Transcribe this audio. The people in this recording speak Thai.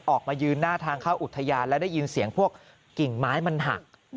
ออกมายืนหน้าทางเข้าอุทยานและได้ยินเสียงพวกกิ่งไม้มันหัก